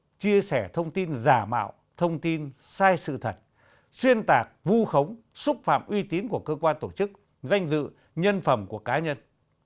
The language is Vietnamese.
và chia sẻ thông tin giả mạo thông tin sai sự thật xuyên tạc vu khống xúc phạm uy tín của cơ quan tổ chức danh dự nhân phẩm của cá nhân